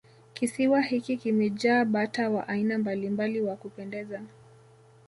kisiwa hiki kimejaa bata wa aina mbalimbali wa kupendeza